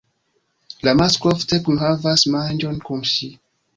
La masklo ofte kunhavas manĝon kun ŝi.